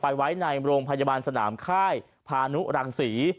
ไว้ในโรงพยาบาลสนามค่ายพานุรังศรี